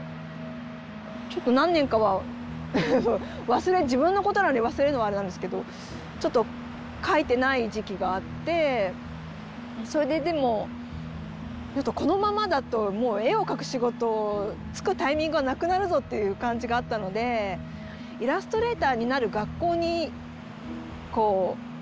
ちょっと何年かは自分のことなのに忘れるのもあれなんですけどちょっと描いてない時期があってそれででもちょっとこのままだともう絵を描く仕事就くタイミングがなくなるぞっていう感じがあったのでイラストレーターになる学校に行こうと思って。